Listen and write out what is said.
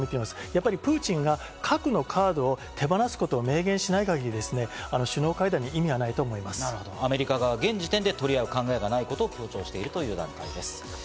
やっぱりプーチンが核のカードを手放すことを明言しない限り、首脳会談に意味はないとアメリカ側は現時点で取り合う考えがないことを強調しています。